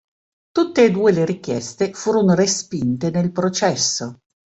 Tutte e due le richieste furono respinte nel processo.